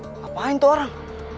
ngapain tuh orang